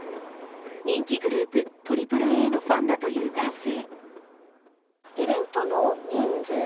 人気グループＡＡＡのファンだという男性。